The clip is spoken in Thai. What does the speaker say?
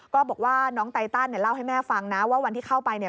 ก็บอกว่าน้องไตตันเนี่ยเล่าให้แม่ฟังนะว่าวันที่เข้าไปเนี่ย